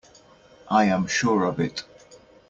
I am sure of it.